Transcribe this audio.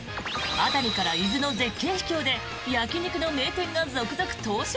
熱海から伊豆の絶景秘境で焼き肉の名店が続々登場。